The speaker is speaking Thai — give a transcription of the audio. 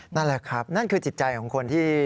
นั่นแหละครับนั่นคือจิตใจของคนที่